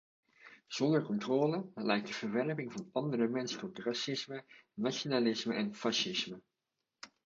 Zonder controle, leidt de verwerping van andere mensen tot racisme, nationalisme en fascisme.